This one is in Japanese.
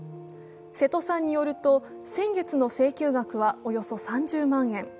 瀬戸さんによると、先月の請求額はおよそ３０万円。